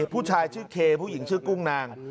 ผู้ชายชื่อเคผู้หญิงชื่อกุ้งนาง